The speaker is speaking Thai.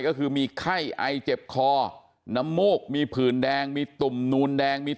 ก็คือมีไข้ไอเจ็บคอน้ำมูกมีผื่นแดงมีตุ่มนูนแดงมี